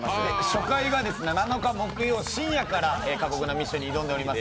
初回が７日木曜深夜から過酷なミッションに挑んでいます。